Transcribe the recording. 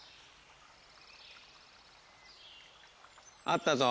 あったぞ。